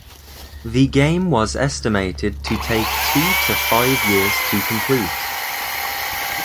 The game was estimated to take two to five years to complete.